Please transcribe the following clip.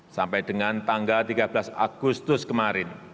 sampai dengan tanggal tiga belas agustus kemarin